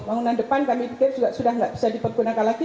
bangunan depan kami pikir sudah tidak bisa dipergunakan lagi